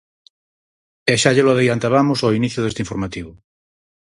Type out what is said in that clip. E xa llelo adiantabamos ao inicio deste informativo.